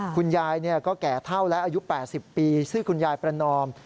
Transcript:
คุณยายก็แก่เท่าแล้วอายุ๘๐ปีชื่อคุณยายประนอม